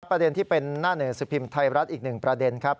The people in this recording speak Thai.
ประเด็นที่เป็นหน้าหนึ่งสิบพิมพ์ไทยรัฐอีกหนึ่งประเด็นครับ